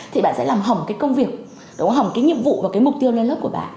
thì bạn sẽ làm hỏng cái công việc đó hỏng cái nhiệm vụ và cái mục tiêu lên lớp của bạn